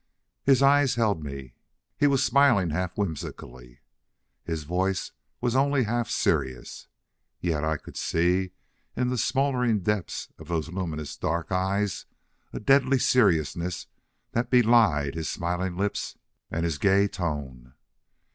His eyes held me. He was smiling half whimsically: his voice was only half serious. Yet I could see, in the smoldering depths of those luminous dark eyes, a deadly seriousness that belied his smiling lips and his gay tone.